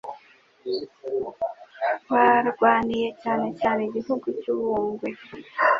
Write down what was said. barwaniye cyane cyane igihugu cy'u Bungwe.